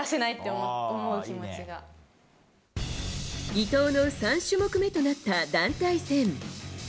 伊藤の３種目めとなった団体戦。